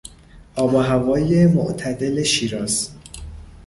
آب و هوای معتدل شیراز